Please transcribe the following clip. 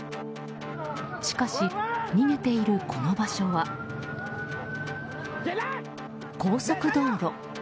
しかし、逃げているこの場所は高速道路。